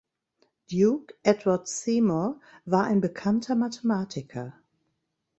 Duke, Edward Seymour war ein bekannter Mathematiker.